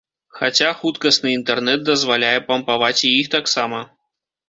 Хаця, хуткасны інтэрнэт дазваляе пампаваць і іх таксама.